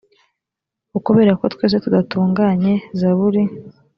ukubera ko twese tudatunganye zaburi